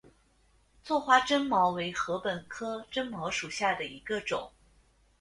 座花针茅为禾本科针茅属下的一个种。